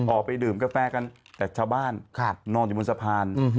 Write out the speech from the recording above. ออกไปดื่มกาแฟกันแต่ชาวบ้านนอนอยู่บนสะพาน